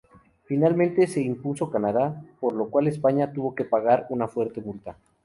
Finalmente se impuso Canadá, por lo cual España tuvo que pagar una fuerte multa.